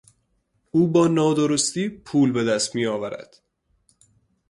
او با نادرستی پول به دست میآورد.